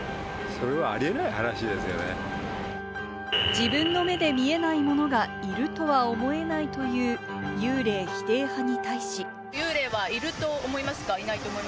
自分の目で見えないものがいるとは思えないという幽霊否定派に対し。